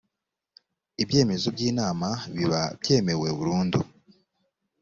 ibyemezo by inama biba byemewe burundu